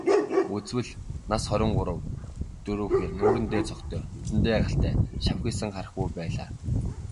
Үзвэл, нас хорин гурав дөрөв хэр, нүүрэндээ цогтой, нүдэндээ галтай, шавхийсэн хархүү байлаа.